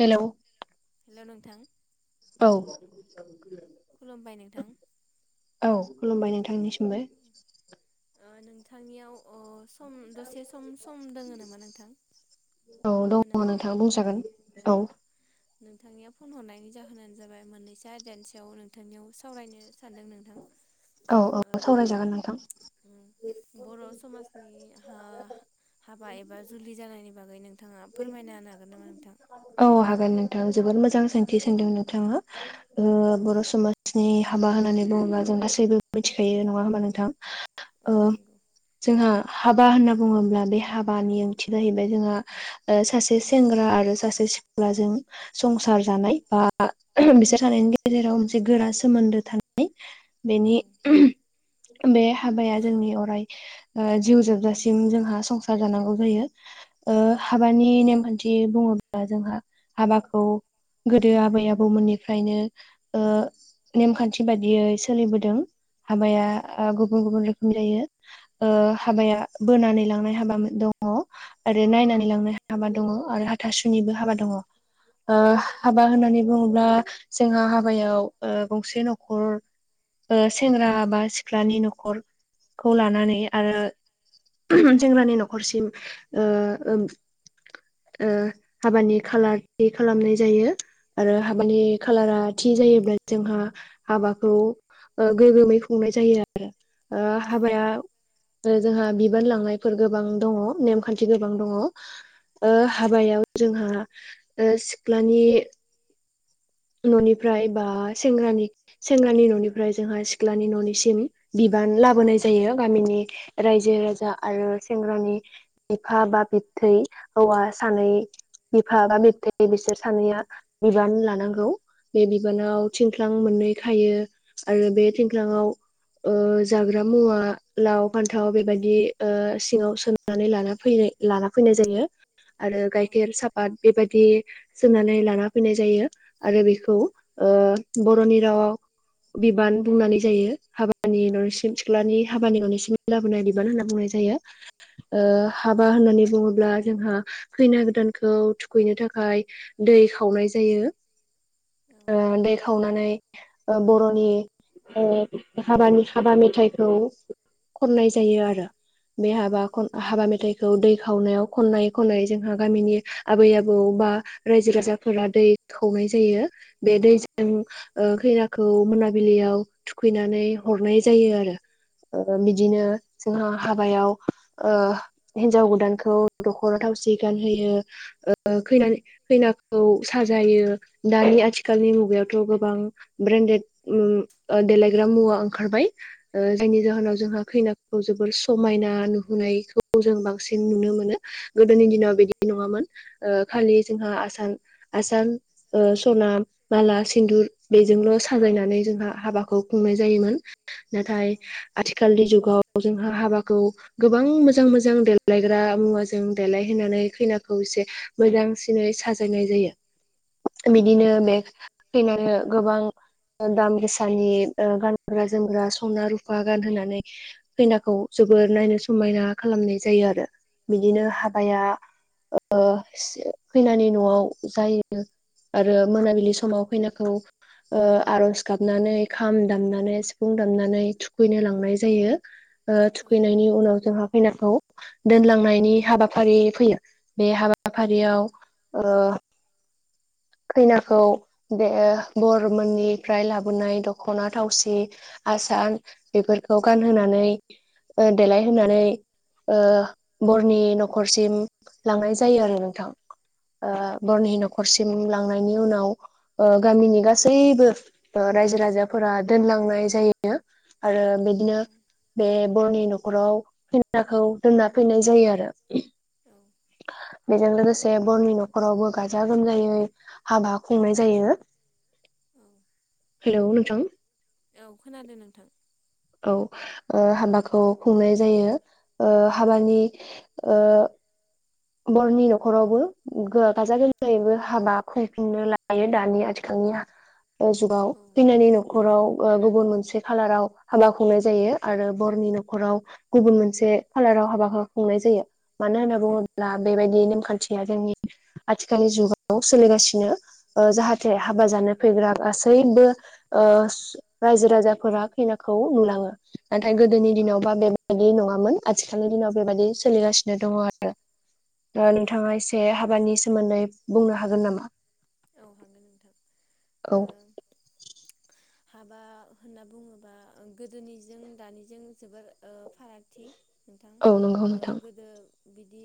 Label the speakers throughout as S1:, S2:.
S1: Hello
S2: hello नोंथां
S1: औ
S2: खुलुमबाय नोंथां।
S1: औ खुलुमबाय नोंथांनिसिमबो
S2: नोंथांनियाव अ सम दसे सम सम दोङो नामा नोंथां?
S1: औ दङ
S2: होनो हानाय?
S1: नोंथा बुंजागोन
S2: अ
S1: औ
S2: नोंथांनिया फन हरनायनि जाहोनानो जाबाय मोननैस आयदानि सायाव नोंथांनियाव सावरायनो सानदों नोंथां।
S1: औ
S2: ओ
S1: औ सावरायजागोन नोंथां।
S2: उम बर' समाजनि हो हाबा एबा जुलि जानायनि बागै नों थाङा फोरमायना होनो हागोन नामा नोंथां?
S1: गोन नोंथां जोबोर मोजां सोंथि सोंदों नोंथाङा। ओ
S2: औ
S1: बर' समाज नि हाबा होननानै बुङोब्ला जों गासैबो मिथिखायो नङा होमबा नोंथां।
S2: औ
S1: ओ
S2: नंगौ
S1: जोंहा। हाबा होनना बुङोब्ला बे हाबानि ओंथि जाहैबाय जोंहा ओ सासे सेंग्रा आरो सासे सिख्लाजों संसार जानाय बा बिसोर थानायनि गेजेराव मोनसे गोरा सोमोन्दो थानाय
S2: औ
S1: बेनि
S2: औ।
S1: बे हाबाया जोंनि अराय ओ जिउ जोबजासिम जोंहा संसार जानांगौ जायो। ओ हाबानि नेमखान्थि बुङोब्ला जोंहा हाबाखौ गोदो आबै आबौमोननिफ्रायनो ओ नेमखान्थि बादियै सोलिबोदों। हाबाया
S2: औ।
S1: गुबुन गुबुन रोखोम जायो। ओ
S2: औ
S1: हाबाया बोनानै लांनाय हाबा दङ' आरो
S2: औ
S1: नायनानै लांनाय हाबा दङ' आरो हाथासुनिबो हाबा दङ'। ओ
S2: उम
S1: हाबा होननानै बुङोब्ला जोंहा हाबायाव ओ गंसे नखर ओ सेंग्रा बा सिख्लानि नखरखौ लानानै आरो जेंग्रानि न'खरसिम ओ ओम ओ हाबानि खाालारथि खालामनाय जायो आरो
S2: औ औ
S1: हाबानि खालारा थि जायोब्ला जोंहा हाबाखौ ओ गोगोमै खुंनाय जायो आरो। ओ हाबाया जोंहा बिबान लांनायफोर गोबां दङ' नेमखान्थि गोबां दङ'। ओ हाबायाव जोंहा ओ सिख्लानि न'निफ्राय बा सेंग्रानि सेंग्रानि न'निफ्राय जोंहा सिख्लानि न'निसिम बिबान लाबोनाय जायो गामिनि रायजो राजा आरो सेंग्रानि बिफा बा बिब्थै हौवा सानै बिफा बा बिब्थै बिसोर सानैया बिबान लानां बे
S2: औ
S1: बिबानाव थिंख्लां मोननै खायो आरो बे थिंख्लाङाव ओ जाग्रा मुवा लाव फान्थाव बेबायदि ओ सिङाव सोननानै लाना फै लाना फैनाय जायो आरो गाइखेर साफााद बेबायदि सोननानै लाना फैनाय जायो। आरो बेखौ ओ बर'नि रावाव बिबान बुंनानै जायो। हाबानि ननिसिम सिख्लानि हाबानि ननिसिम लाबोनाय बिबान होनना बुंनाय जायो। ओ
S2: उम औ
S1: हाबा होननानै बुङोब्ला जोंहा खैना गोदानखौ थुखैनो थाखाय दै खावनाय जायो।
S2: औ
S1: ओ दै खावनानै ओ बर'नि ओ हाबानि हाबा मेथाइखौ खननाय जायो आरो। बे
S2: औ औ
S1: हाबाखौ हाबा मेथाइ दै खावनायाव खनाय खनै जोंहा गामिनि आबै आबौ बा रायजो राजाफोरा दै खावनाय जायो बे दैजों ओ खैनाखौ मोनाबिलियाव थुखैनानै हरनाय जायो आरो ओ बिदिनो जोंहा हाबायाव ओ हिन्जाव गोदानखौ दख'ना थावसि गानहोयो ओ खैनानि खैनाखौ साजायो। दानि आथिखालनि मुगायावथ' गोबां ब्रेन्डेड उम ओ देलायग्रा मुवा ओंखारबाय ओ जायनि जाहोनाव जोंहा खैना खौ जोबोर समायना नुहोननायखौ जों बांसिन नुनो मोनो गोदोनि दिनाव बिदि नङामोन ओ खालि जोंहा आसान आसान ओ सना माला सिन्दुर बेजोंल' साजायनानै जोंहा हाबाखौ खुंनाय जायोमोन
S2: औ
S1: नाथाय आथिखालनि जुगाव जोंहा हाबाखौ गोबां मोजां मोजां देलायग्रा मुवाजों देलायहोनानै खैनाखौ एसे मोजांसिनै साजायनाय जायो।
S2: औ
S1: बिदिनो मेख खैनानै गोबां दाम गोसानि ओ गानग्रा जोमग्रा संना रुफा गानहोनानै खैनाखौ जोबोर नायनो समायना खालामनाय जायो आरो बिदिनो हाबाया ओ खैनानि न'आव जायो। आरो मोनाबिलि समाव खैनाखौ ओ आर'ज गाबनानै खाम दामनानै सिफुं दामनानै थुखैनो लांनाय जायो ओ
S2: औ
S1: थुखैनायनि उनाव जोंहा खैनाखौ दोनलांनायनि हाबाफारि फैयो बे हाबाफारियाव ओ खैनाखौ दयो बर मोननिफ्राय लाबोनाय दख'ना थावसि आसार बेफोरखौ गानहोनानै ओ देलायहोनानै ओ बरनि न'खरसिम लांनाय जायो आरो नोंथां।
S2: औ
S1: आ
S2: नंगौ
S1: बर'नि न'ख लांनायनि उनाव ओ गामिनि गासैबो ओ रायजो राजाफोरा दोनलांनाय जायो आरो
S2: औ
S1: बिदिनो बे बर'नि न'खराव फिनाखौ दोनना फैनाय जायो आरो
S2: औ
S1: बेजों लोगोसे बर'नि न'खरावबो गाजा गाजा गोमजायै हाबा खुंनाय जायो। हेलौ नोंथां
S2: औ खोनादों नोंथां।
S1: औ ओ हाबाखौ खुंनाय जायो ओ हाबानि ओ बर'नि न'खरावबो गाजा गोमजायैबो हाबा खुंफुंनो लायो दानि आथिखालनिया ओ जुगाव
S2: औ
S1: खैनानि न'खराव ओ गुबुन मोनसे खाालाराव हाबा खुंनाय जायो आरो बर'नि न'खराव गुबुन मोनसे खाालाराव हाबा खुंनाय जायो मानो होनना
S2: औ
S1: बुङो ब्ला बेबायदि नेमखान्थिया जोंनि आथिखालनि जुगाव सोलिगासिनो ओ जाहाथे हाबा जानो फैग्रा गासैबो ओ सु रायजो राजाफोरा खैनाखौ नुलाङो नाथाय
S2: औ
S1: गोदोनि दिनावबा बेबायदि नङा मोन आथिखालनि दिनाव बेबायादि सोलिगासिनो दङ दा
S2: औ
S1: नोंथाङा एसे हाबानि सो मोन्दै बुंनो हागोन नामा?
S2: औ हागोन नोंथां
S1: औ
S2: ओ हाबा होनना बुङोबा ओं गोदोनिजों दानिजों जोबोर ओ फारागथि नोंथां
S1: औ नंगौ
S2: ओ
S1: नोंथां
S2: गोदो बिदि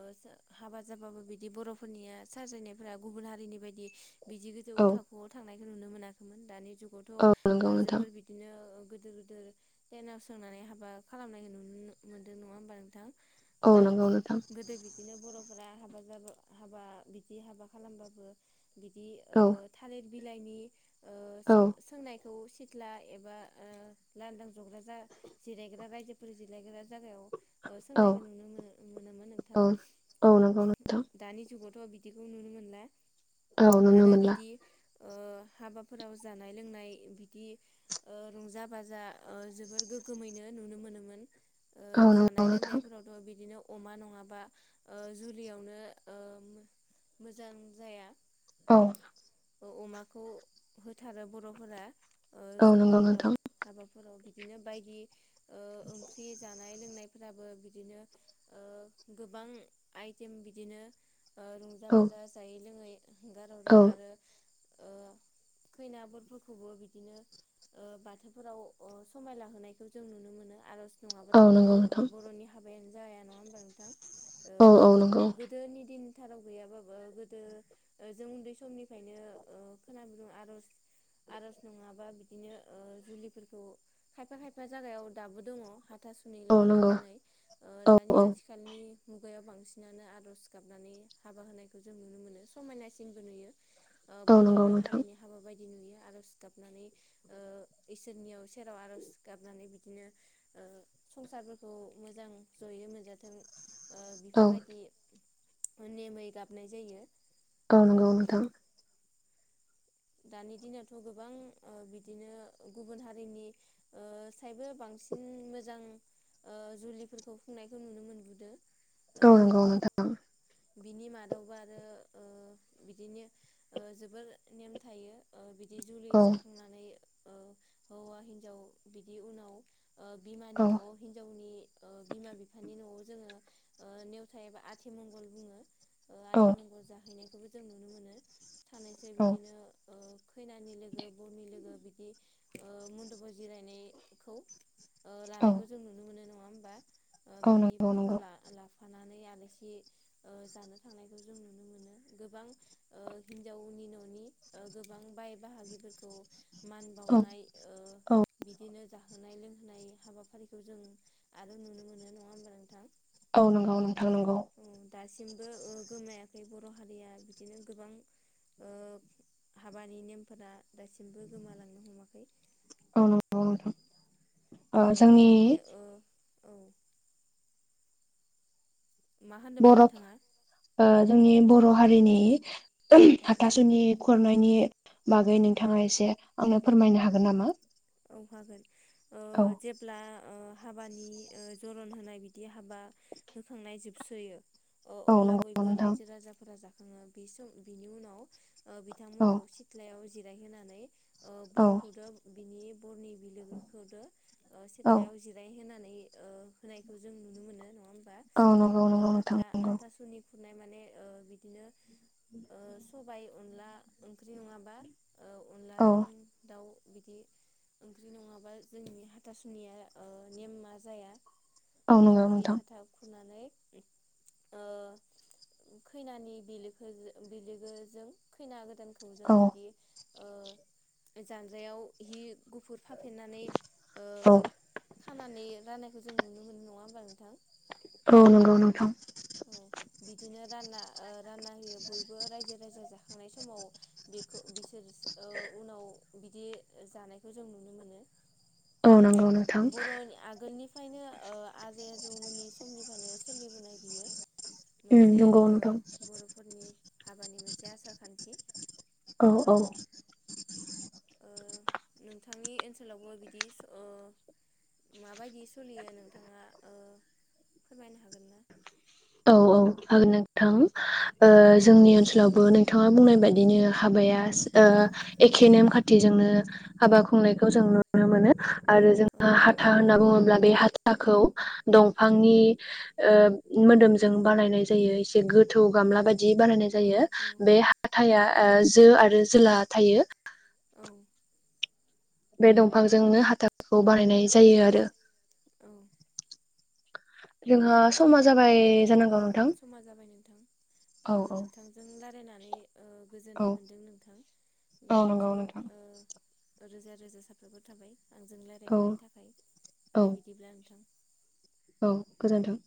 S2: ओ सो हाबा जाबाबो बिदि बर'फोरनिया साजायनायफोरा गुबुन हारिनि बायदि बिदि गोजौ
S1: औ
S2: थाखोआव थांनाय नुनो मोनाखैमोन दानि जुगावथ' ओ
S1: औ नंगौ नोंथां
S2: जोबोर बिदिनो ओ गोदोर गोदोर टेनाव सोंनानै हाबा खालामनायखौ नु नो मोनदों नङा होमबा नोंथां?
S1: औ नोंगौ नोंथां
S2: [unintelligible] फ्रा हाबा जाबा हाबा बिदि हाबा खालामबाबो बिदि ओ
S1: औ
S2: थालिर बिलाइनि ओ
S1: औ
S2: सो-सोंनाय खौ सिथ्ला एबा ओ लान्दां [unintelligible] जिरायग्रा रायजो [unintelligible] जागायाव ओ
S1: औ
S2: सोंनायगोन नुनो मोनो मोनोमोन नोंथां
S1: औ औ नंगौ नोंथां
S2: दानि जुगाव ओ बिदिखौ नुनो मोनला।
S1: औ नुनो
S2: आरो
S1: मोनला
S2: बिदि ओ हाबाफोराव जानाय लोंनाय बिदि ओ रंजा बाजा ओ जोबोर गोग्गोमैनो नुनो मोनोमोन। ओ
S1: औ नंगौ
S2: जानाय
S1: नोंथां
S2: लोंनायफोरावथ' बिदिनो अमा नङाबा ओ जुलियावनो ओ मोजां जाया।
S1: औ।
S2: ओ अमाखौ होथारो बर'फोरा। ओ
S1: औ नंगौ
S2: जुलिफोराव
S1: नोंथां
S2: हाबाफोराव बि दिनो बायदि ओ ओंख्रि जा नाय लोंनायफ्राबो बिदिनो ओ गोबां आइटेम बिदिनो ओ रंजा
S1: औ
S2: बाजा जायै लोङै हेंगारहरो
S1: औ
S2: आरो ओ खैनाबोरफोरखौबो बिदिनो ओ बाथौफोराव अ समायलाहोनायखौ जों नुनो मोनो आरज नङाबाथ'
S1: औ
S2: ओ
S1: नंगौ नोंथां
S2: बर'नि हाबायानो जाया नङा होमबा नोंथां? ओ
S1: औ औ नंगौ
S2: गोदोनि दिन थाराव गैयाबाबो गोदो ओ जों उन्दै समनिफायनो ओ खोनाबोदों आर'ज आर'ज नङाबा बि दिनो ओ जुलिफोरखौ खायफा खायफा जागायाव दाबो दङ हा थासुनिल'
S1: औ
S2: होना
S1: नंगौ
S2: दोननाय ओ
S1: औ
S2: दानि
S1: औ
S2: आथिखालनि मुगायाव बांसिनानो आर'ज गाबनानै हाबा होनायखौ जों नुनो मोनो। समायनासिनबो नुयो। ओ
S1: औ नंगौ
S2: बर'रो
S1: नोंथां
S2: हारिनि हाबा बाय नुयो आर'ज गाबनानै ओ इसोरनियाव सेराव आर'ज गाबनानै बिदिनो ओ संसारफोरखौ मोजां जयै मोनजाथों ओ
S1: औ
S2: बेफोरबायदि नेमै गाबनाय जायो।
S1: औ
S2: ओ
S1: नंगौ नोंथां।
S2: दानि दिनावथ' गोबां ओ बिदिनो गुबुन हारिनि ओ सायबो बांसिन मोजां ओ जुलिफोरखौ खुंनायखौ नुनो मोनबोदों।
S1: औ नंगौ नोंथां।
S2: बिनि मादावबो आरो ओ बिदिनो ओ जोबोर नेम थायो ओ बिद जुलि
S1: औ
S2: जाखांनानै ओ हौवा हिन्जाव बिदि उनाव ओ
S1: औ
S2: बिमानि न'आव हिन्जावनि ओ बिमा बिफानि न'आव जोङो ओ नेवथा एबा आथिमंगल बुङो ओ
S1: औ
S2: आथिमंगल जाहैनाय बो जों नुनो मोनो थानायसाय बिदिनो ओ खैनानि लोगो बरनि लोगो बिदि ओ मन्दबाव जिरायनाय खौ ओ
S1: औ
S2: लानायखौ जों नुनो मोनो न [unintelligible] होमबा ओ
S1: औ नंगौ
S2: बिदिफोरखौ
S1: नंगौ
S2: ला लाफ नानै आलासि ओ जानो थांनायखौ जों नुनो मोनो गोबां ओ हिन्जावनि न'नि ओ गोबां बाय बाहागिफोरखौ मान
S1: औ
S2: बावनाय ओ
S1: औ
S2: बिदिनो जाहोनाय लोंहोनाय हाबाफारिखौ जों आरो नुनो मोनो नङा होमबा नोंथां
S1: औ नंगौ नों थां नांगौ
S2: औ दासिमबो ओ गोमायाखै बर' हारिया बिदिनो गोबां ओ हाबानि नेमफोरा दासिमबो गोमालांनो हमाखै
S1: औ नंगौ नोंथां
S2: ओ
S1: जोंनि
S2: नोंथांनि ओ औ मा होनदोंमोन
S1: बर'
S2: नोंथाङा
S1: जोंनि बर' हारिनि
S2: औ
S1: हाथासुनि खुरनायनि बागै नोंथाङा एसे आंनो फोरमायनो हागोन नामा
S2: औ हागोन ओ
S1: औ
S2: जेब्ला ओ हाबानि जरन होनाय बिदि हाबा होखांनाय जोबसोयो अ
S1: औ
S2: अब्ला
S1: नंगौ
S2: बयबो
S1: नोंथां
S2: रायजो राजाफोरा जाख [unintelligible] बि सम बिनि उनाव
S1: औ
S2: बिथांमोनखौ सिथ्लायाव जि जिरायहोनानै ओ
S1: औ
S2: बरखौदों बिनि बरनि बिलोगोखौदो ओ
S1: औ
S2: सेथ्लायाव जिराय होनानै [unintelligible] ओ होनायखौ जों नुनो मोनो नङा ओम
S1: औ नंगौ
S2: ओ
S1: नंगौ नोंथां नंगौ
S2: हाथा-हाथासुनिखौ खुरनाय माने बिदिनो ओ सब सबाय अनला ओंख्रि नङाब्ला
S1: औ
S2: अनलाजों दाउ बिदि ओंख्रि नङाबा जोंनि हाथासुनिया ओ नेमा जाया
S1: औ
S2: ओ
S1: नंगौ
S2: बिदि
S1: नोंथां
S2: हाथा खुरना ओ खैनानि बिलोखोजों बिलोगोजों खैना गोदान खौ जों
S1: औ
S2: बिदि ओ जानजायाव हि गुफुर फाफेनानै ओ
S1: औ
S2: खानानै राननायखौ जों नुनो मोनो नङा होमब्ला नोंथां
S1: औ नंगौ नोंथां
S2: औ बिदिनो रानना-रानना होयो बयबो रायजो राजा जाखांनाय समाव बेखौ बिसोर उनाव बिदि जानायखौ जों नुनो मोनो
S1: औ नंगौ नोंथां
S2: खायनो आजै-आजौमोननि समनिफ्रायनो सोलिबोनाय बियो
S1: उम
S2: मोनसे
S1: नंगौ
S2: ओ
S1: नोंथां
S2: बर'फोरनि हाबानि मोनसे आसार खान्थि
S1: औ-औ
S2: ओ नोंथांनि ओनसोलावबो बिदि ओ माबायदि सोलियो नोंथाङा ओ फोरमायनो हागोन ना
S1: औ औ हागोन नोंथां जोंनि ओनसोलावबो नोंथाङा बुंनाय बायदिनो हाबाया ओ एखे नेम खाथिजोंनो हाबा
S2: नुनो मोनो आरो जोंहा हाथा होनना बुङोब्ला बे हाथाखौ मोदोमजों बानायनाय जायो एसे गोथौ गामला बायदि
S1: खुंनायखौ जों नुनो मोनो आरो जोंहा हाथा होनना बुङो बे हाथाखौ दंफांनि ओ मोदोमजों बानायनाय जायो एसे गोथौ गामला बायदि दि बानायनाय जायो बे हाथाया जो आरो जोला थायो
S2: जायो जोंहा समा
S1: बे दंफांजोंनो हाथाखौ बानायनाय जायो आरो
S2: औ
S1: जोंहा समाजाव
S2: औ समा जाबाय नोंथां ओ
S1: औ औ
S2: नोंथांजों रायलायनानै ओ
S1: औ
S2: गोजोननाय मोनदों नोंथां [unintelligible]
S1: औ नंगौ नोंथां
S2: ओ रोजा रोजा साफ्राफोर थाबाय आंजों
S1: औ
S2: रायलायनायनि थाखाय
S1: औ
S2: दे बिदिब्ला नोंथां
S1: औ गोजोन्थों